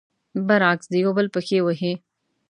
برعکس، د يو بل پښې وهي.